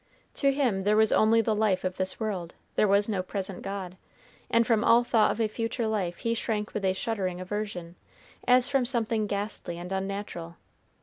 To him there was only the life of this world: there was no present God; and from all thought of a future life he shrank with a shuddering aversion, as from something ghastly and unnatural.